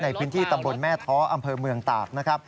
ในพื้นที่ตำบลแม่ท้ออำเภอเมืองตากนะครับ